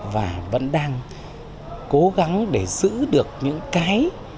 và vẫn đang cố gắng để giữ được những cái